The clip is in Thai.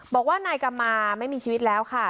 บอกว่านายกำมาไม่มีชีวิตแล้วค่ะ